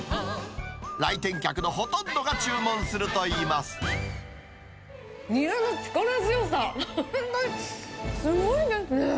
来店客のほとんどが注文するといニラの力強さ、すごいですね。